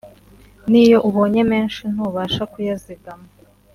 n’iyo ubonye menshi ntubasha kuyazigama